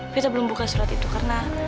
kita belum buka surat itu karena